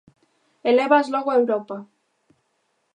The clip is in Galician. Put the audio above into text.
E lévaas logo a Europa.